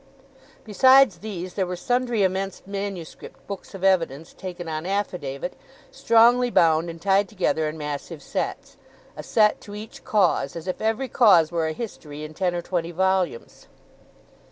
Besides these, there were sundry immense manuscript Books of Evidence taken on affidavit, strongly bound, and tied together in massive sets, a set to each cause, as if every cause were a history in ten or twenty volumes.